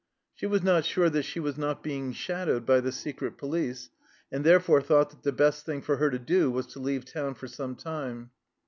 She was not sure that she was not being shadowed by the secret police and therefore thought that the best thing for her to do was to leave town for some time.